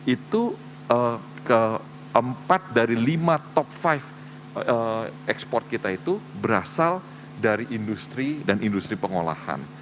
itu keempat dari lima top lima ekspor kita itu berasal dari industri dan industri pengolahan